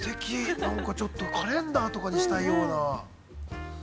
なんかちょっとカレンダーとかにしたいような。